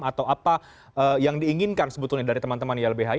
atau apa yang diinginkan sebetulnya dari teman teman ylbhi